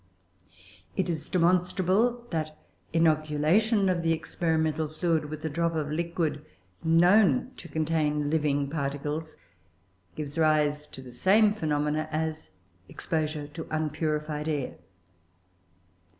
It is demonstrable that inoculation of the experimental fluid with a drop of liquid known to contain living particles gives rise to the same phenomena as exposure to unpurified air.